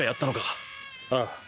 ああ。